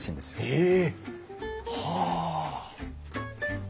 ええ！はあ！